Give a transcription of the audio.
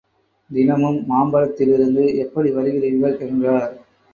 தினமும் மாம்பலத்திலிருந்து எப்படி வருகிறீர்கள்? என்றார்.